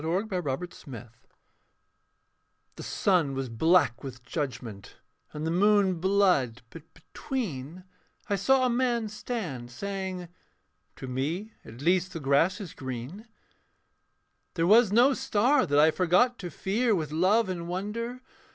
FEMINA CONTRA MUNDUM The sun was black with judgment, and the moon Blood: but between I saw a man stand, saying, 'To me at least The grass is green. 'There was no star that I forgot to fear With love and wonder.